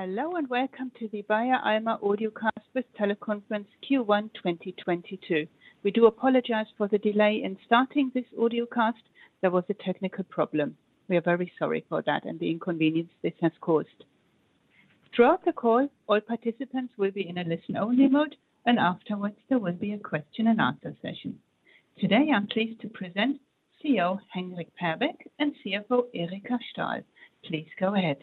Hello, and welcome to the Beijer Alma Audiocast with Teleconference Q1 2022. We do apologize for the delay in starting this audiocast. There was a technical problem. We are very sorry for that and the inconvenience this has caused. Throughout the call, all participants will be in a listen-only mode, and afterwards there will be a question and answer session. Today, I'm pleased to present CEO Henrik Perbeck and CFO Erika Ståhl. Please go ahead.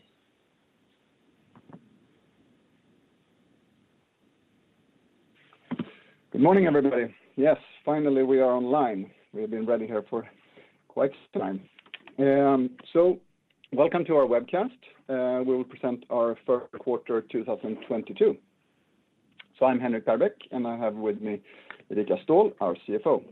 Good morning, everybody. Yes, finally, we are online. We have been ready here for quite some time. Welcome to our webcast. We will present our first quarter 2022. I'm Henrik Perbeck, and I have with me Erika Ståhl, our CFO.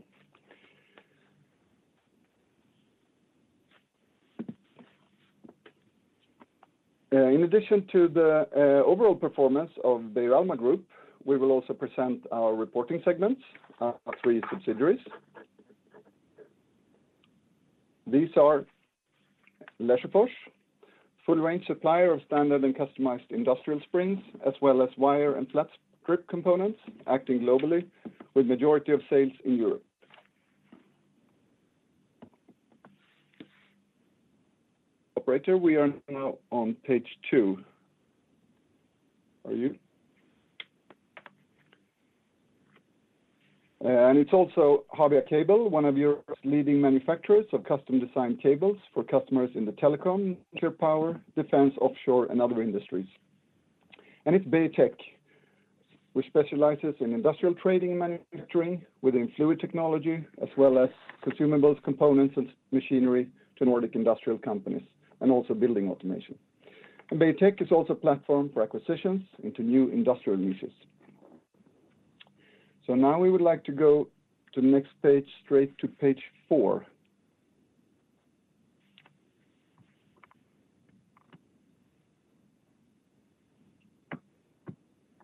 In addition to the overall performance of the Beijer Alma Group, we will also present our reporting segments, our three subsidiaries. These are Lesjöfors, full range supplier of standard and customized industrial springs, as well as wire and flat strip components, acting globally with majority of sales in Europe. Operator, we are now on page two. Are you? And it's also Habia Cable, one of Europe's leading manufacturers of custom designed cables for customers in the telecom, pure power, defense, offshore, and other industries. It's Beijer Tech, which specializes in industrial trading and manufacturing within fluid technology, as well as consumables, components, and machinery to Nordic industrial companies, and also building automation. Beijer Tech is also a platform for acquisitions into new industrial niches. Now we would like to go to the next page, straight to page four.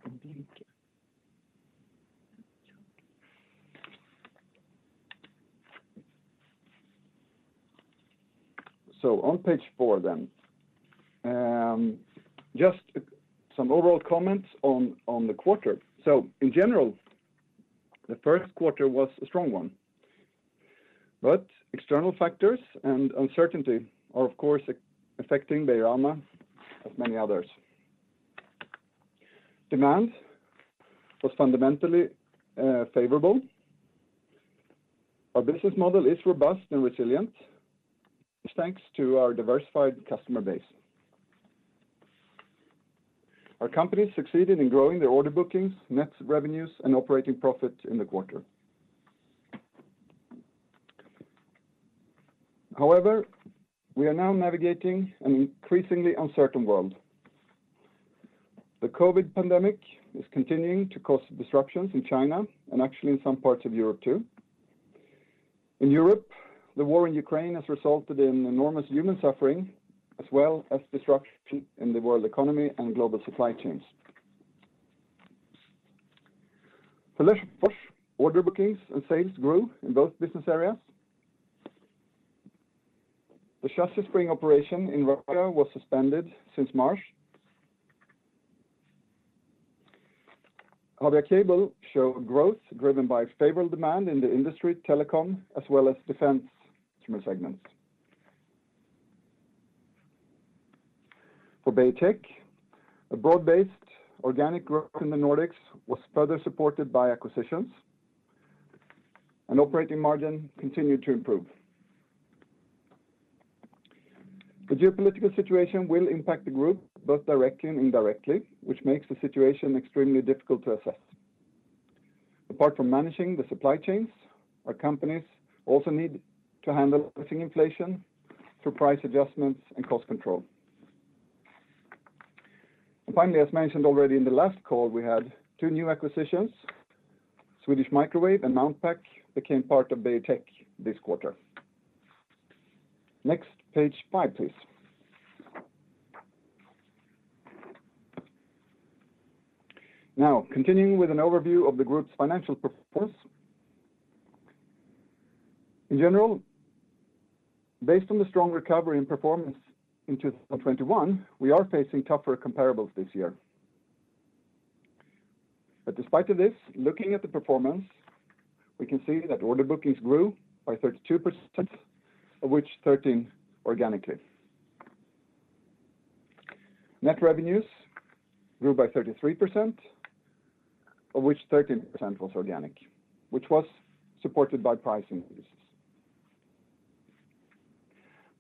Complete. On page four then, just some overall comments on the quarter. In general, the first quarter was a strong one. External factors and uncertainty are of course affecting Beijer Alma as many others. Demand was fundamentally favorable. Our business model is robust and resilient. It's thanks to our diversified customer base. Our company succeeded in growing their order bookings, net revenues, and operating profit in the quarter. However, we are now navigating an increasingly uncertain world. The Covid pandemic is continuing to cause disruptions in China and actually in some parts of Europe too. In Europe, the war in Ukraine has resulted in enormous human suffering, as well as disruption in the world economy and global supply chains. For Lesjöfors order bookings and sales grew in both business areas. The Chassis Spring operation in Russia was suspended since March. Habia Cable showed growth driven by favorable demand in the Industry and Telecom, as well as defense customer segments. For Beijer Tech, a broad-based organic growth in the Nordics was further supported by acquisitions, and operating margin continued to improve. The geopolitical situation will impact the group both directly and indirectly, which makes the situation extremely difficult to assess. Apart from managing the supply chains, our companies also need to handle increasing inflation through price adjustments and cost control. Finally, as mentioned already in the last call, we had two new acquisitions. Swedish Microwave and Mountpac became part of Beijer Tech this quarter. Next, page five, please. Now, continuing with an overview of the group's financial performance. In general, based on the strong recovery and performance in 2021, we are facing tougher comparables this year. Despite of this, looking at the performance, we can see that order bookings grew by 32%, of which 13% organically. Net revenues grew by 33%, of which 13% was organic, which was supported by price increases.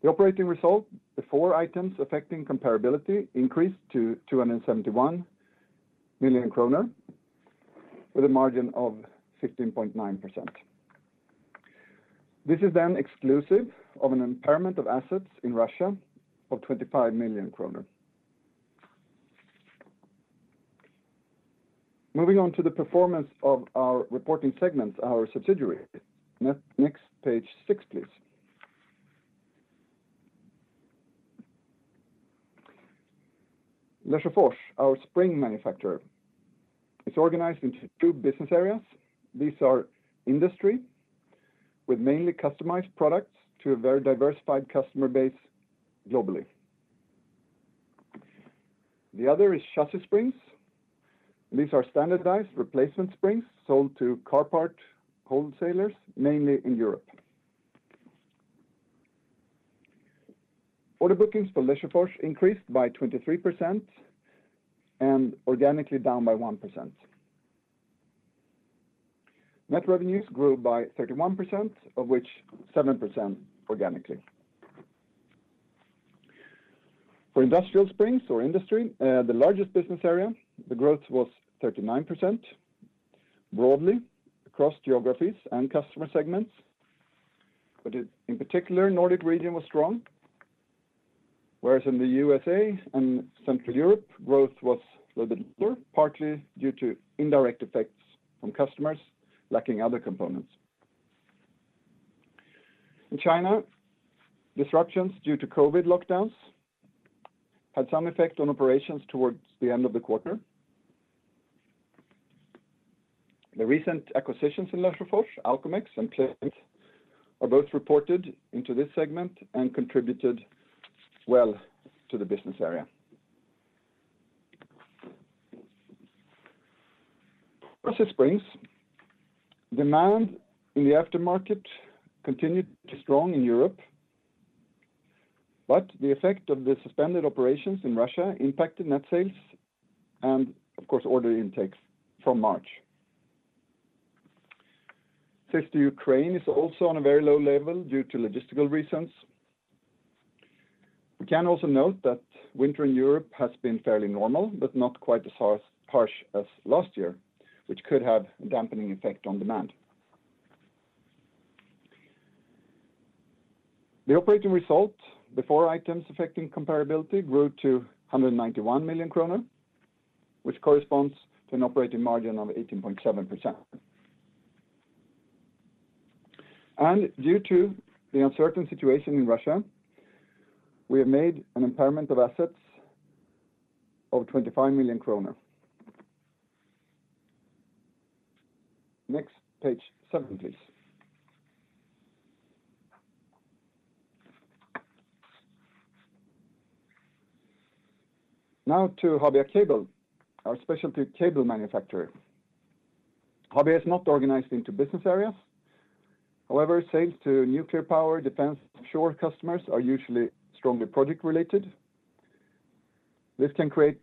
The operating result before items affecting comparability increased to 271 million kronor with a margin of 15.9%. This is then exclusive of an impairment of assets in Russia of 25 million kronor. Moving on to the performance of our reporting segments, our subsidiaries. Next, page six, please. Lesjöfors, our spring manufacturer. It's organized into two business areas. These are industry, with mainly customized products to a very diversified customer base globally. The other is chassis springs, and these are standardized replacement springs sold to car part wholesalers, mainly in Europe. Order bookings for Lesjöfors increased by 23%, and organically down by 1%. Net revenues grew by 31%, of which 7% organically. For industrial springs or industry, the largest business area, the growth was 39% broadly across geographies and customer segments. In particular, Nordic region was strong, whereas in the U.S. and Central Europe, growth was a little lower, partly due to indirect effects from customers lacking other components. In China, disruptions due to COVID lockdowns had some effect on operations towards the end of the quarter. The recent acquisitions in Lesjöfors, Alcomex and Climent, are both reported into this segment and contributed well to the business area. Chassis springs, demand in the aftermarket continued strong in Europe, but the effect of the suspended operations in Russia impacted net sales and of course, order intakes from March. Sales to Ukraine is also on a very low level due to logistical reasons. We can also note that winter in Europe has been fairly normal, but not quite as harsh as last year, which could have a dampening effect on demand. The operating result before items affecting comparability grew to 191 million kronor, which corresponds to an operating margin of 18.7%. Due to the uncertain situation in Russia, we have made an impairment of assets of SEK 25 million. Next, page seven, please. Now to Habia Cable, our specialty cable manufacturer. Habia is not organized into business areas. However, sales to nuclear power, defense, offshore customers are usually strongly project-related. This can create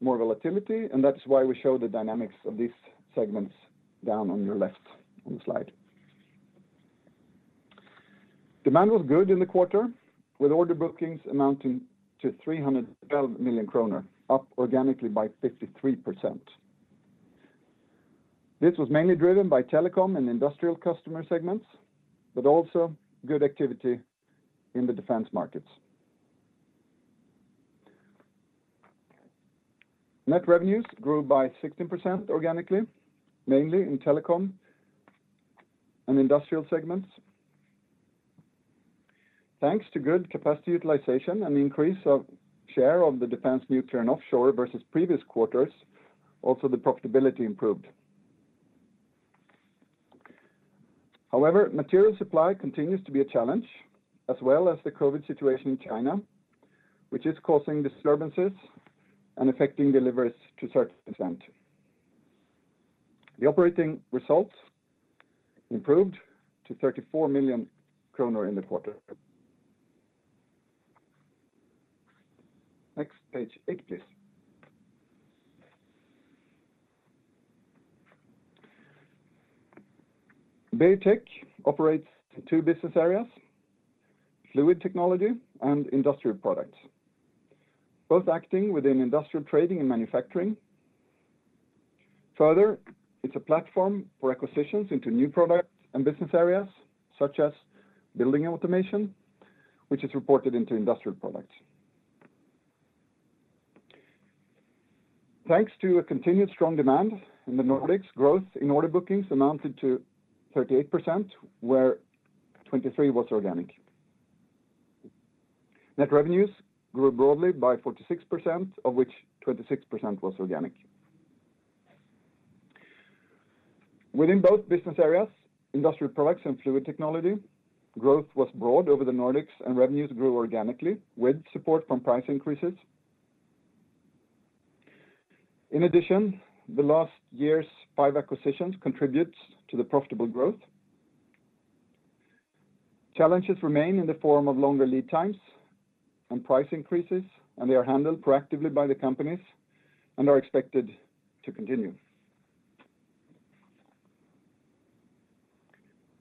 more volatility, and that's why we show the dynamics of these segments down on your left on the slide. Demand was good in the quarter, with order bookings amounting to 312 million kronor, up organically by 53%. This was mainly driven by telecom and industrial customer segments, but also good activity in the defense markets. Net revenues grew by 16% organically, mainly in telecom and industrial segments. Thanks to good capacity utilization and increase of share of the defense, nuclear, and offshore versus previous quarters, also the profitability improved. However, material supply continues to be a challenge, as well as the COVID situation in China, which is causing disturbances and affecting deliveries to a certain extent. The operating results improved to 34 million kronor in the quarter. Next, page eight, please. Beijer Tech operates two business areas: fluid technology and industrial products, both acting within industrial trading and manufacturing. Further, it's a platform for acquisitions into new products and business areas such as building automation, which is reported into industrial products. Thanks to a continued strong demand in the Nordics, growth in order bookings amounted to 38%, where 23% was organic. Net revenues grew broadly by 46%, of which 26% was organic. Within both business areas, industrial products and fluid technology, growth was broad over the Nordics and revenues grew organically with support from price increases. In addition, the last year's five acquisitions contributes to the profitable growth. Challenges remain in the form of longer lead times and price increases, and they are handled proactively by the companies and are expected to continue.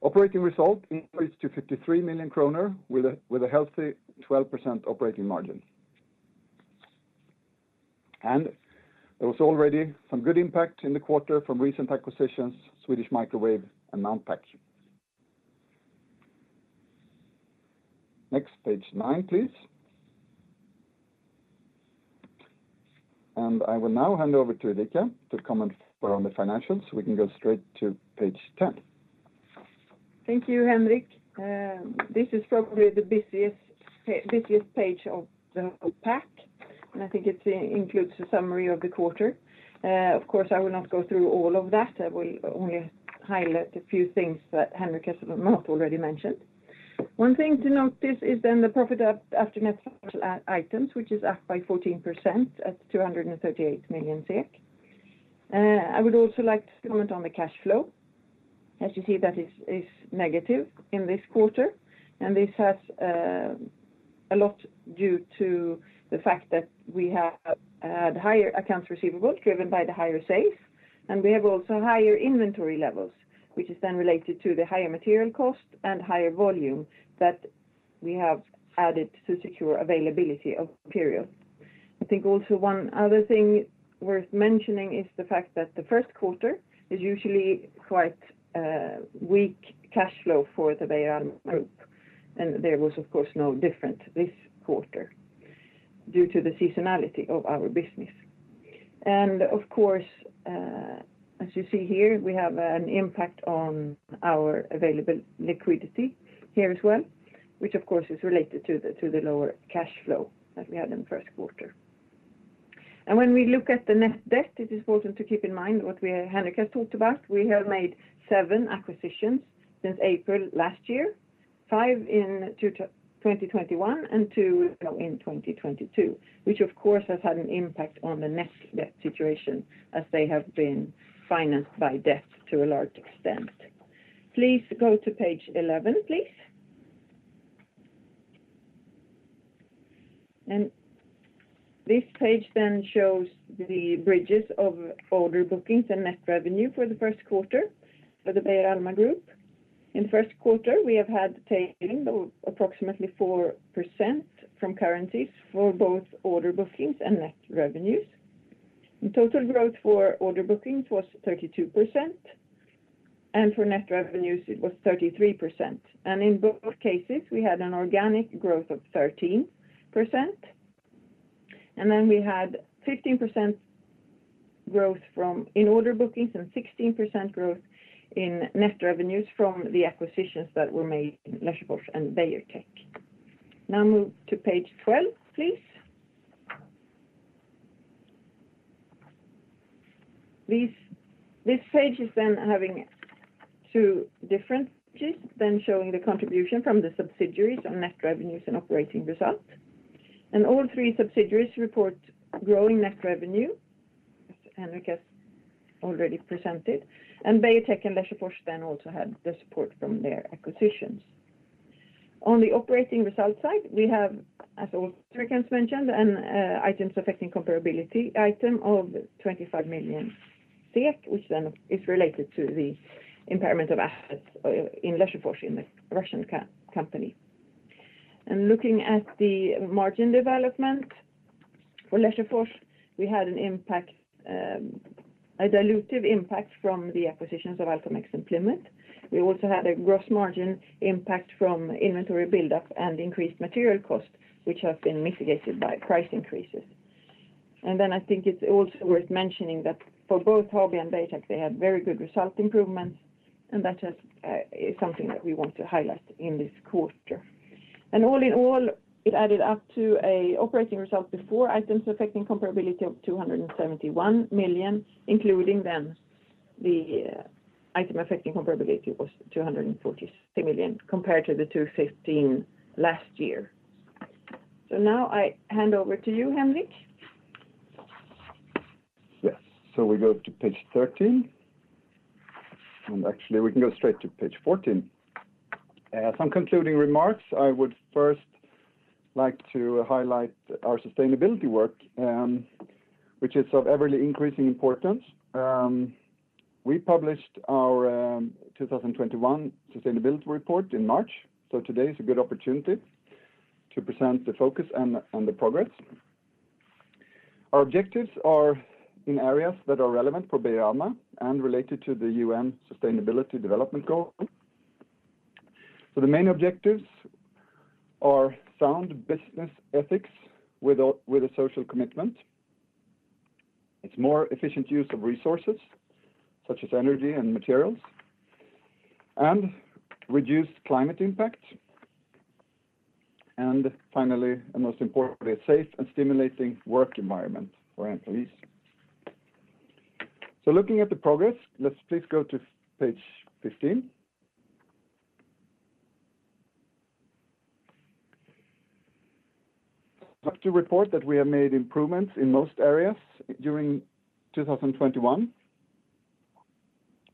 Operating result increased to 53 million kronor with a healthy 12% operating margin. There was already some good impact in the quarter from recent acquisitions, Swedish Microwave and Mountpac. Next, page nine, please. I will now hand over to Erika to comment further on the financials. We can go straight to page 10. Thank you, Henrik. This is probably the busiest page of the whole pack, and I think it includes a summary of the quarter. Of course, I will not go through all of that. I will only highlight a few things that Henrik has not already mentioned. One thing to notice is then the profit after net items, which is up by 14% at 238 million. I would also like to comment on the cash flow. As you see that is negative in this quarter, and this has a lot due to the fact that we have the higher accounts receivable driven by the higher sales, and we have also higher inventory levels, which is then related to the higher material cost and higher volume that we have added to secure availability of period. I think also one other thing worth mentioning is the fact that the first quarter is usually quite weak cash flow for the Beijer Alma Group, and there was, of course, no different this quarter due to the seasonality of our business. Of course, as you see here, we have an impact on our available liquidity here as well, which of course is related to the lower cash flow that we had in the first quarter. When we look at the net debt, it is important to keep in mind what Henrik has talked about. We have made seven acquisitions since April last year, five in 2021, and two in 2022, which of course has had an impact on the net debt situation as they have been financed by debt to a large extent. Please go to page 11, please. This page then shows the bridge of order bookings and net revenue for the first quarter for the Beijer Alma Group. In the first quarter, we have had a tailwind of approximately 4% from currencies for both order bookings and net revenues. The total growth for order bookings was 32%, and for net revenues it was 33%. In both cases, we had an organic growth of 13%. Then we had 15% growth in order bookings and 16% growth in net revenues from the acquisitions that were made in Lesjöfors and Beijer Tech. Now move to page 12, please. These pages then have two different pieces showing the contribution from the subsidiaries to net revenues and operating results. All three subsidiaries report growing net revenue, as Henrik has already presented. Beijer Tech and Lesjöfors then also had the support from their acquisitions. On the operating results side, we have, as Henrik Perbeck's mentioned, an items affecting comparability item of 25 million, which then is related to the impairment of assets in Lesjöfors in the Russian company. Looking at the margin development for Lesjöfors, we had an impact, a dilutive impact from the acquisitions of Alcomex and Plymouth Spring. We also had a gross margin impact from inventory buildup and increased material costs, which have been mitigated by price increases. I think it's also worth mentioning that for both Habia and Beijer Tech, they had very good result improvements, and that is something that we want to highlight in this quarter. All in all, it added up to an operating result before items affecting comparability of 271 million, including then the item affecting comparability was 246 million compared to the 215 million last year. Now I hand over to you, Henrik. Yes. We go to page 13. Actually, we can go straight to page 14. Some concluding remarks. I would first like to highlight our sustainability work, which is of ever increasing importance. We published our 2021 sustainability report in March, so today is a good opportunity to present the focus and the progress. Our objectives are in areas that are relevant for Beijer Alma and related to the UN Sustainable Development Goals. The main objectives are sound business ethics with a social commitment. It's more efficient use of resources, such as energy and materials, and reduced climate impact. Finally, and most importantly, a safe and stimulating work environment for employees. Looking at the progress, let's please go to page 15. I'd like to report that we have made improvements in most areas during 2021.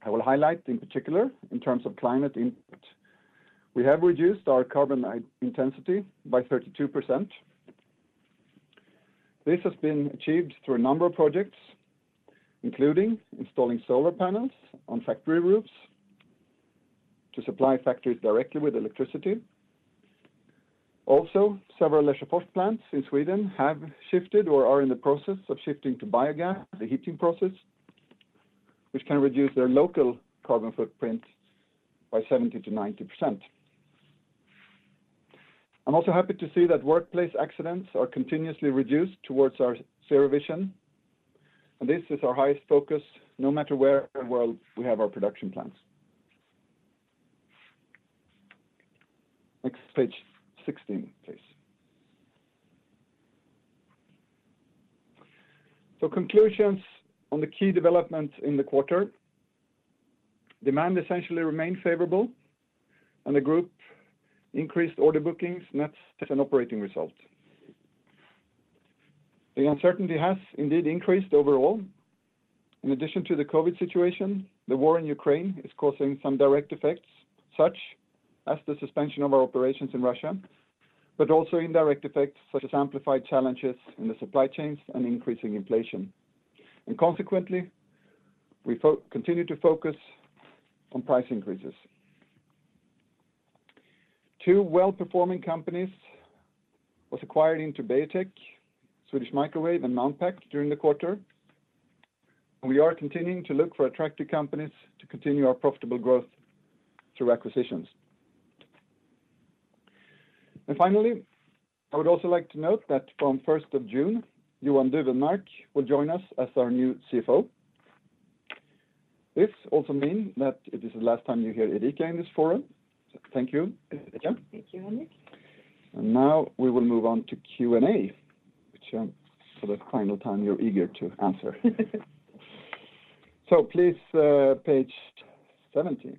I will highlight in particular in terms of climate impact. We have reduced our carbon intensity by 32%. This has been achieved through a number of projects, including installing solar panels on factory roofs to supply factories directly with electricity. Also, several Lesjöfors plants in Sweden have shifted or are in the process of shifting to biogas, the heating process, which can reduce their local carbon footprint by 70%-90%. I'm also happy to see that workplace accidents are continuously reduced towards our zero vision, and this is our highest focus no matter where in the world we have our production plants. Next, page 16, please. Conclusions on the key developments in the quarter. Demand essentially remained favorable, and the group increased order bookings, net sales, and operating results. The uncertainty has indeed increased overall. In addition to the COVID situation, the war in Ukraine is causing some direct effects, such as the suspension of our operations in Russia, but also indirect effects such as amplified challenges in the supply chains and increasing inflation. Consequently, we continue to focus on price increases. Two well-performing companies was acquired into Beijer Tech, Swedish Microwave and Mountpac during the quarter. We are continuing to look for attractive companies to continue our profitable growth through acquisitions. Finally, I would also like to note that from the first of June, Johan Dufvenmark will join us as our new CFO. This also mean that it is the last time you hear Erika in this forum. Thank you, Erika. Thank you, Henrik. Now we will move on to Q&A, which, for the final time, you're eager to answer. Please, page 17.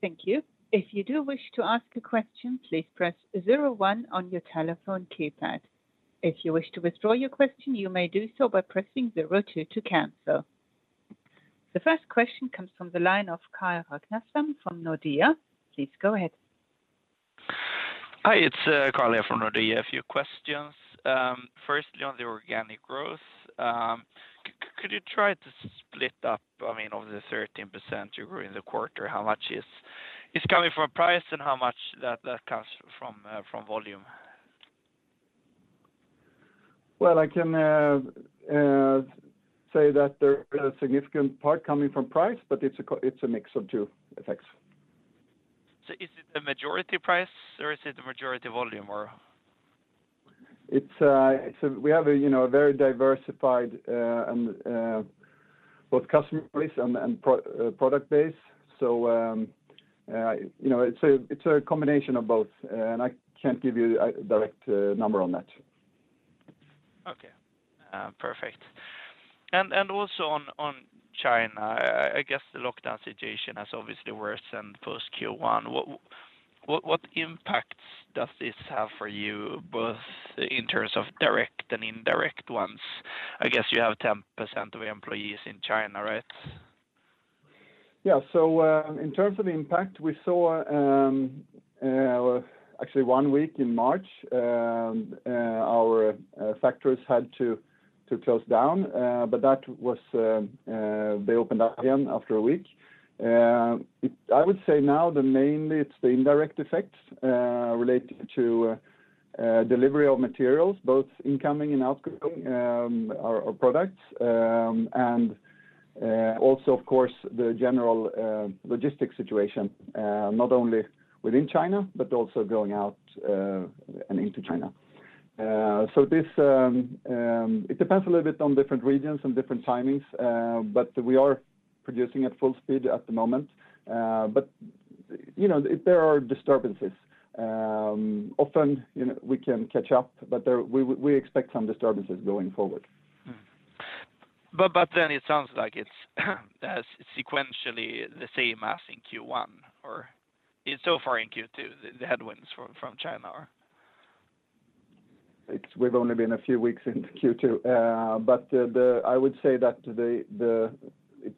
Thank you. If you do wish to ask a question, please press zero one on your telephone keypad. If you wish to withdraw your question, you may do so by pressing zero two to cancel. The first question comes from the line of Carl Ragnerstam from Nordea. Please go ahead. Hi, it's Carl here from Nordea. A few questions. Firstly, on the organic growth, could you try to split up, I mean, of the 13% you grew in the quarter, how much is coming from price and how much that comes from volume? Well, I can say that there is a significant part coming from price, but it's a mix of two effects. Is it a majority price or is it a majority volume or? We have a, you know, a very diversified customer base and product base. You know, it's a combination of both, and I can't give you a direct number on that. Okay. Perfect. Also on China, I guess the lockdown situation has obviously worsened post Q1. What impacts does this have for you both in terms of direct and indirect ones? I guess you have 10% of your employees in China, right? In terms of impact, we saw, actually, one week in March our factories had to close down. That was. They opened up again after a week. I would say now mainly it's the indirect effects related to delivery of materials, both incoming and outgoing, our products, and also of course the general logistics situation not only within China, but also going out and into China. It depends a little bit on different regions and different timings, but we are producing at full speed at the moment. You know, there are disturbances. Often, you know, we can catch up, but we expect some disturbances going forward. it sounds like it's sequentially the same as in Q1 or so far in Q2, the headwinds from China or? We've only been a few weeks into Q2. I would say that it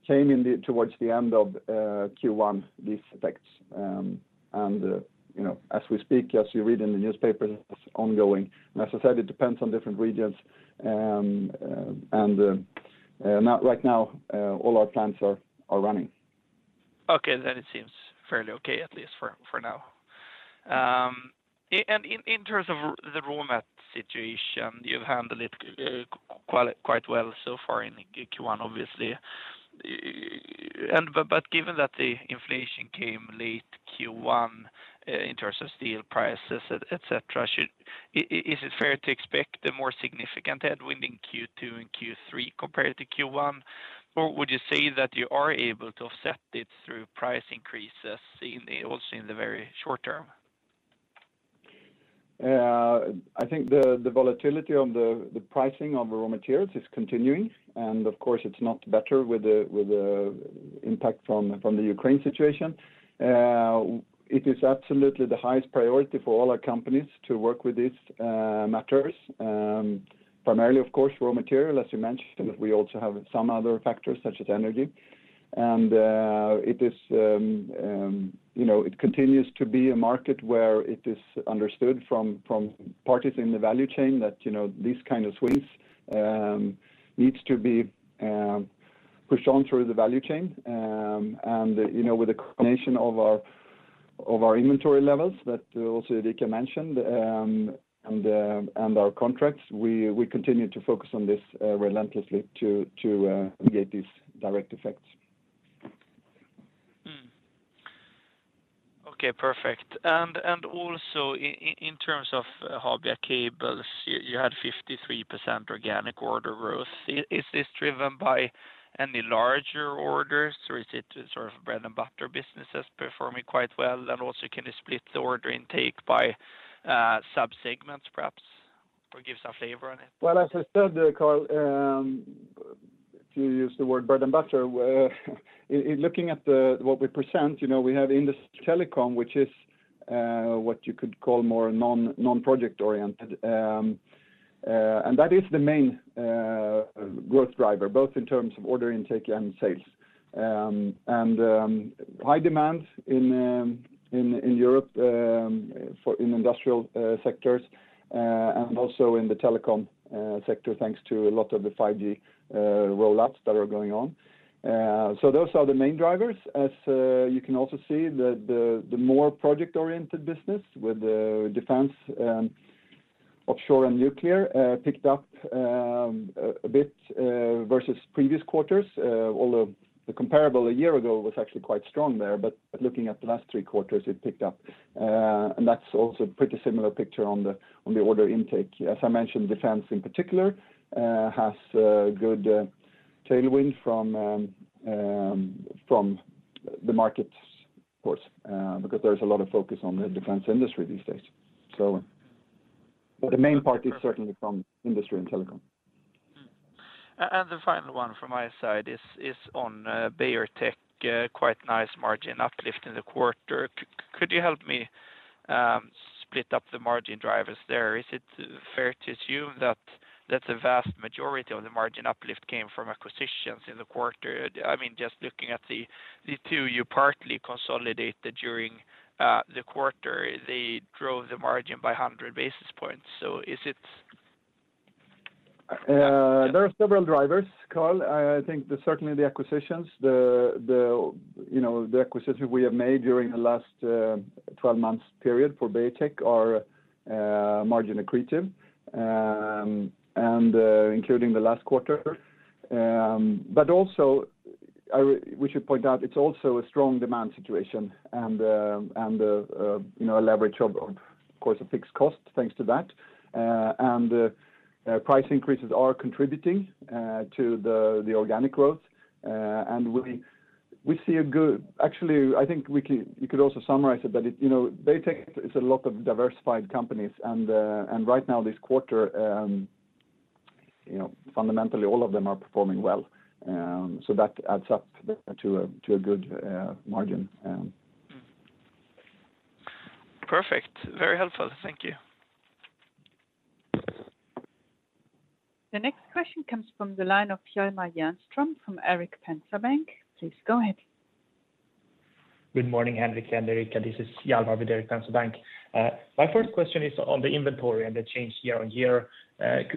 came towards the end of Q1, these effects. You know, as we speak, as you read in the newspapers, it's ongoing. It depends on different regions. Right now, all our plants are running. Okay. It seems fairly okay, at least for now. In terms of the raw material situation, you've handled it quite well so far in Q1, obviously. Given that the inflation came late in Q1, in terms of steel prices, et cetera, is it fair to expect a more significant headwind in Q2 and Q3 compared to Q1? Or would you say that you are able to offset it through price increases also in the very short term? I think the volatility on the pricing of raw materials is continuing. Of course, it's not better with the impact from the Ukraine situation. It is absolutely the highest priority for all our companies to work with these matters. Primarily, of course, raw material, as you mentioned, but we also have some other factors such as energy. It continues to be a market where it is understood from parties in the value chain that, you know, these kind of swings needs to be pushed on through the value chain. You know, with the combination of our inventory levels that also Erika mentioned and our contracts, we continue to focus on this relentlessly to mitigate these direct effects. Okay, perfect. Also in terms of Habia Cable, you had 53% organic order growth. Is this driven by any larger orders or is it sort of bread and butter businesses performing quite well? Also, can you split the order intake by subsegments perhaps, or give some flavor on it? Well, as I said, Carl, if you use the word bread and butter, in looking at what we present, you know, we have Industry and Telecom, which is what you could call more non-project oriented. That is the main growth driver, both in terms of order intake and sales. High demand in Europe for industrial sectors and also in the telecom sector, thanks to a lot of the 5G rollouts that are going on. Those are the main drivers. As you can also see, the more project-oriented business with defense, offshore and nuclear picked up a bit versus previous quarters. Although the comparable a year ago was actually quite strong there. Looking at the last three quarters, it picked up, and that's also a pretty similar picture on the order intake. As I mentioned, defense in particular has a good tailwind from the market, of course, because there's a lot of focus on the defense industry these days. The main part is certainly from Industry and Telecom. The final one from my side is on Beijer Tech, quite nice margin uplift in the quarter. Could you help me split up the margin drivers there? Is it fair to assume that the vast majority of the margin uplift came from acquisitions in the quarter? I mean, just looking at the two you partly consolidated during the quarter, they drove the margin by 100 basis points. There are several drivers, Carl. I think certainly the acquisitions, you know, the acquisition we have made during the last 12 months period for Beijer Tech are margin accretive, but also we should point out it's also a strong demand situation and you know, a leverage of course a fixed cost, thanks to that. Price increases are contributing to the organic growth. I think you could also summarize it, but you know, Beijer Tech is a lot of diversified companies. Right now, this quarter, you know, fundamentally, all of them are performing well. That adds up to a good margin. Perfect. Very helpful. Thank you. The next question comes from the line of Hjalmar Jernström from Erik Penser Bank. Please go ahead. Good morning, Henrik and Erika. This is Hjalmar with Erik Penser Bank. My first question is on the inventory and the change year-on-year.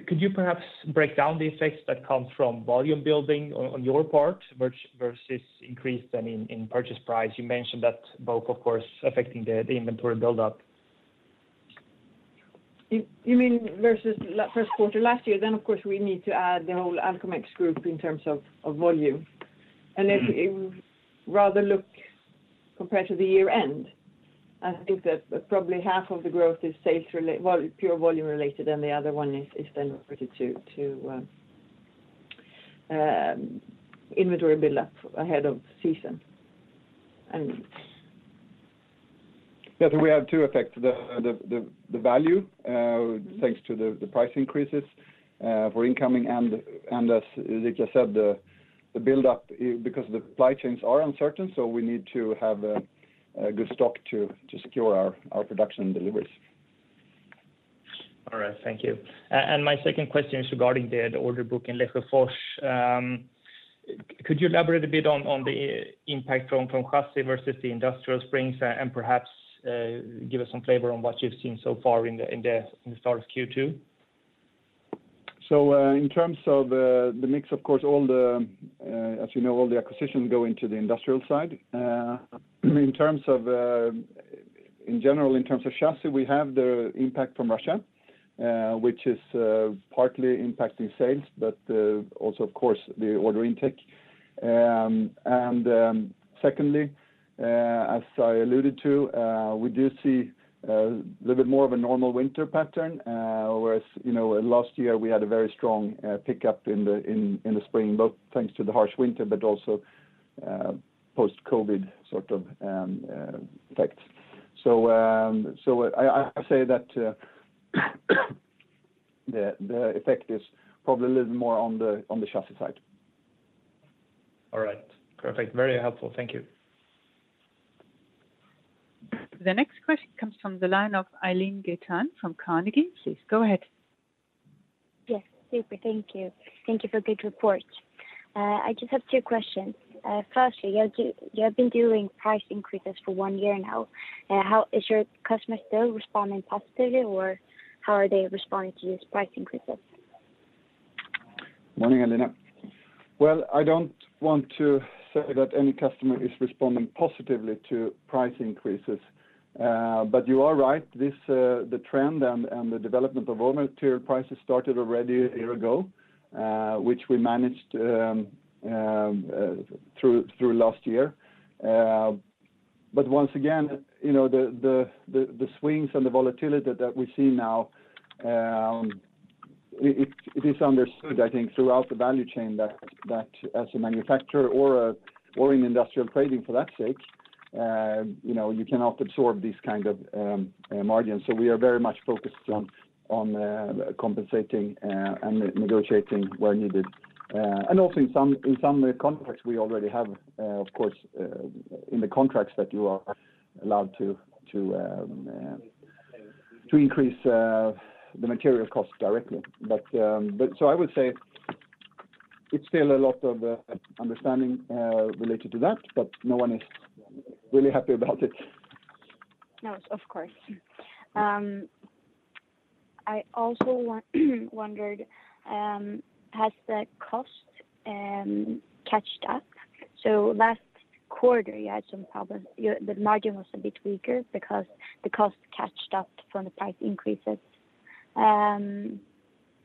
Could you perhaps break down the effects that come from volume building on your part versus increase then in purchase price? You mentioned that both, of course, affecting the inventory buildup. You mean versus first quarter last year, then of course, we need to add the whole Alcomex group in terms of volume. Unless you rather look compared to the year end. I think that probably half of the growth is sales well, pure volume related, and the other one is then related to inventory buildup ahead of season. Yeah, we have two effects. The value, thanks to the price increases for incoming and, as Erika said, the buildup because the supply chains are uncertain, so we need to have a good stock to secure our production deliveries. All right. Thank you. My second question is regarding the order book in Lesjöfors. Could you elaborate a bit on the impact from chassis versus the industrial springs, and perhaps give us some flavor on what you've seen so far in the start of Q2? In terms of the mix, of course, as you know, all the acquisitions go into the industrial side. In general, in terms of chassis, we have the impact from Russia, which is partly impacting sales, but also, of course, the order intake. Secondly, as I alluded to, we do see a little bit more of a normal winter pattern. Whereas, you know, last year we had a very strong pickup in the spring, both thanks to the harsh winter, but also, post-COVID sort of effect. I say that the effect is probably a little more on the chassis side. All right. Perfect. Very helpful. Thank you. The next question comes from the line of Aylin Gaytan from Carnegie. Please go ahead. Yes. Super. Thank you. Thank you for good report. I just have two questions. Firstly, you have been doing price increases for one year now. Is your customer still responding positively, or how are they responding to these price increases? Morning, Aylin. Well, I don't want to say that any customer is responding positively to price increases. You are right, this, the trend and the development of raw material prices started already a year ago, which we managed through last year. Once again, you know, the swings and the volatility that we see now, it is understood, I think, throughout the value chain that as a manufacturer or in industrial trading for that sake, you know, you cannot absorb these kind of margins. We are very much focused on compensating and negotiating where needed. In some contexts, we already have, of course, in the contracts that you are allowed to increase the material costs directly. So I would say it's still a lot of understanding related to that, but no one is really happy about it. No, of course. I also wondered, has the cost caught up? Last quarter, you had some problems. The margin was a bit weaker because the cost caught up from the price increases on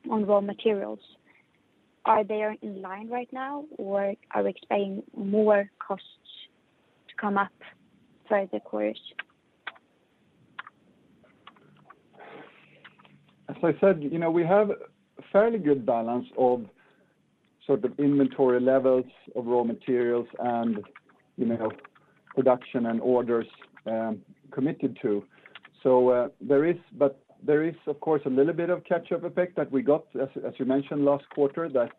raw materials. Are they in line right now, or are we expecting more costs to come up for the quarters? As I said, you know, we have a fairly good balance of sort of inventory levels of raw materials and, you know, production and orders committed to. There is, of course, a little bit of catch-up effect that we got, as you mentioned, last quarter that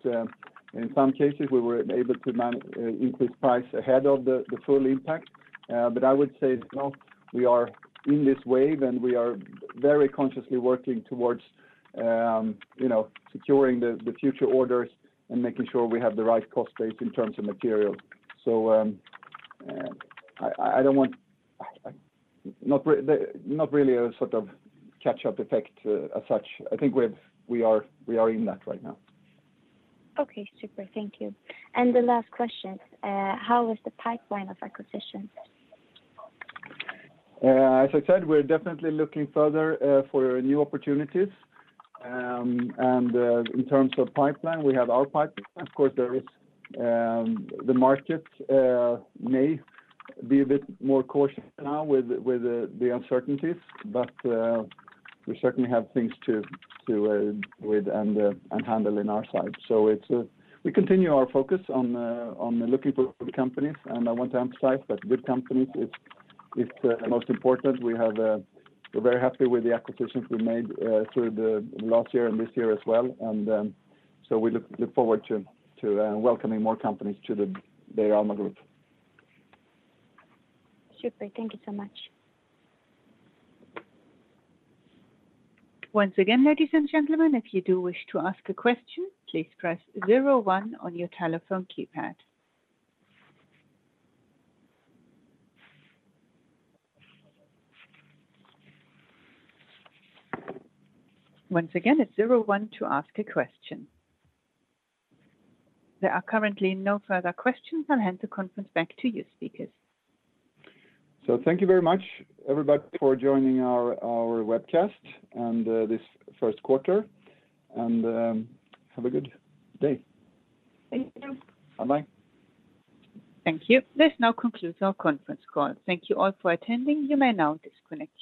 in some cases we were able to increase price ahead of the full impact. But I would say, no, we are in this wave, and we are very consciously working towards, you know, securing the future orders and making sure we have the right cost base in terms of materials. Not really a sort of catch-up effect, as such. I think we are in that right now. Okay, super. Thank you. The last question, how is the pipeline of acquisitions? As I said, we're definitely looking further for new opportunities. In terms of pipeline, we have our pipeline. Of course, the market may be a bit more cautious now with the uncertainties, but we certainly have things to work with and handle on our side. We continue our focus on looking for companies, and I want to emphasize that good companies is most important. We're very happy with the acquisitions we made through the last year and this year as well. We look forward to welcoming more companies to the Beijer Alma Group. Super. Thank you so much. Once again, ladies and gentlemen, if you do wish to ask a question, please press zero one on your telephone keypad. Once again, it's 01 to ask a question. There are currently no further questions. I'll hand the conference back to you, speakers. Thank you very much, everybody, for joining our webcast and this first quarter. Have a good day. Bye-bye. Thank you. This now concludes our conference call. Thank you all for attending. You may now disconnect your lines.